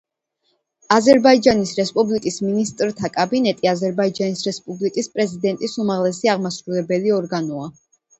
აზერბაიჯანის რესპუბლიკის მინისტრთა კაბინეტი აზერბაიჯანის რესპუბლიკის პრეზიდენტის უმაღლესი აღმასრულებელი ორგანოა.